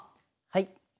はい。